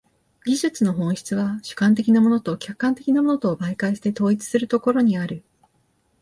技術の本質は主観的なものと客観的なものとを媒介して統一するところにある。